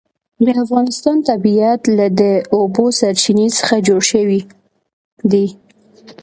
د افغانستان طبیعت له د اوبو سرچینې څخه جوړ شوی دی.